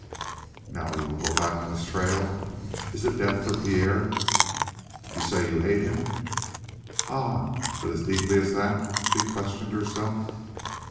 "Now you go back on his trail? It is death for Pierre?" "You say you hate him?" "Ah, but as deeply as that?" she questioned herself.